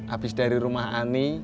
abis dari rumah ani